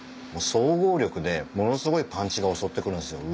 総合力でものすごいパンチが襲ってくるんですよ。